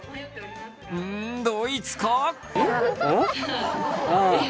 うん、ドイツか？